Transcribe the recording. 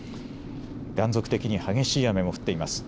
断続的に激しい雨も降っています。